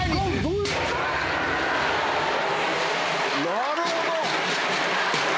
なるほど！